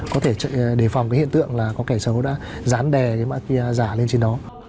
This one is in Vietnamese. có thể đề phòng hiện tượng là có kẻ xấu đã dán đè cái mạng kia giả lên trên đó